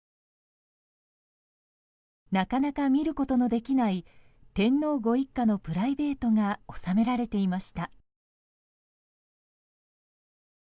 なかなか見ることのできない天皇ご一家のプライベートが収められていました。